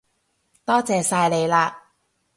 多謝晒你喇